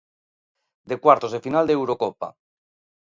De cuartos de final de Eurocopa.